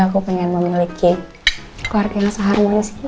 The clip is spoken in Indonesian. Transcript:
aku pengen memiliki keluarga yang seharmonis